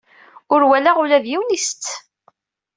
Ur walaɣ ula d yiwen isett.